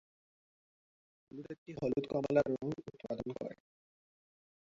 হলুদ একটি হলুদ-কমলা রঙ উৎপাদন করে।